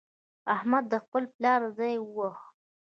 احمد د خپل پلار ځای وواهه.